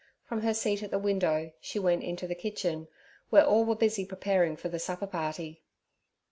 From her seat at the window she went into the kitchen, where all were busy preparing for the supperparty.